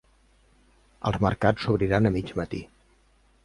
Els mercats s’obriran a mig matí.